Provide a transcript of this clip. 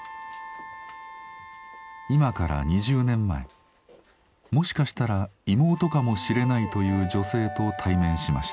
今から２０年前もしかしたら妹かもしれないという女性と対面しました。